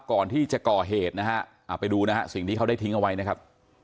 ก่อนที่จะก่อเหตุนะฮะไปดูนะฮะสิ่งที่เขาได้ทิ้งเอาไว้นะครับ